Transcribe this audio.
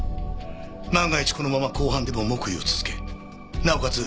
万が一このまま公判でも黙秘を続けなおかつ